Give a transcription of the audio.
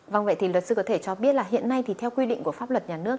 vâng vậy thì luật sư có thể cho biết là hiện nay thì theo quy định của pháp luật nhà nước